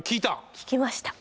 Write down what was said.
聞きました。